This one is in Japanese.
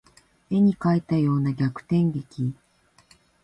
絵に描いたような逆転劇